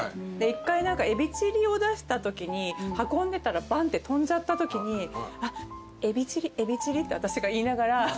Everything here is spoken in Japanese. １回えびチリを出したときに運んでたらバンッて飛んじゃったときに「えびチリえびチリ」って私が言いながら。